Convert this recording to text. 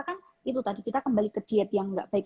kan itu tadi kita kembali ke diet yang nggak baik